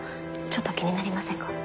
ちょっと気になりませんか？